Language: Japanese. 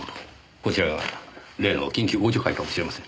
こちらが例の緊急互助会かもしれません。